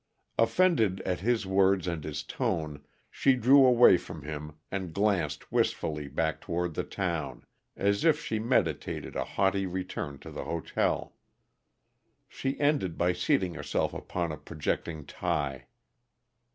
Offended at his words and his tone, she drew away from him and glanced wistfully back toward the town, as if she meditated a haughty return to the hotel. She ended by seating herself upon a projecting tie.